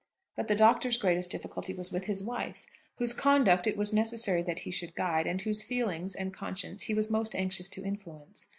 But the Doctor's greatest difficulty was with his wife, whose conduct it was necessary that he should guide, and whose feelings and conscience he was most anxious to influence.